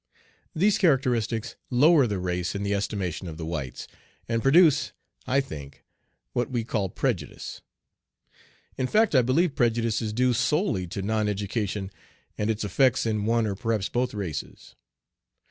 These characteristics lower the race in the estimation of the whites, and produce, I think, what we call prejudice. In fact I believe prejudice is due solely to non education and its effects in one or perhaps both races.